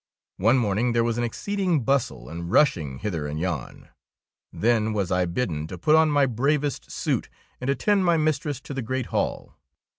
One morning there was an exceeding bustle and rushing hither and yon. Then was I bidden to put on my bravest suit 26 THE KOBE OF THE DUCHESS and attend my mistress to the great hall.